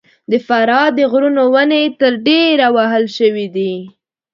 د فراه د غرونو ونې تر ډېره وهل سوي دي.